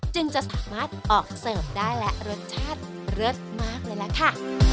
จึงจะสามารถออกเสิร์ฟได้และรสชาติเลิศมากเลยล่ะค่ะ